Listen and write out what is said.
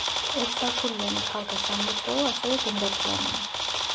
ერთსართულიანი ქალთა სამლოცველო ასევე გუმბათიანია.